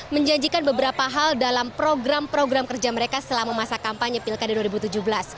menjanjikan beberapa hal dalam program program kerja mereka selama masa kampanye pilkada dua ribu tujuh belas